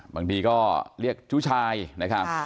บางทีก็เรียกชู้ชายนะครับ